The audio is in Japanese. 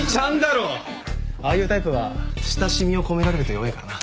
ああいうタイプは親しみを込められると弱えからな。